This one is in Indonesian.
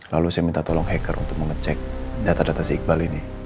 lalu saya minta tolong hacker untuk mengecek data data si iqbal ini